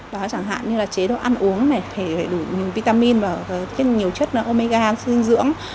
đó chẳng hạn như là chế độ ăn uống thể đủ nhiều vitamin và nhiều chất omega xương dưỡng